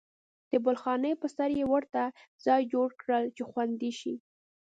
د بالاخانې په سر یې ورته ځای جوړ کړل چې خوندي شي.